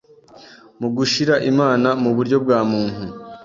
mugushira imana muburyo bwa muntu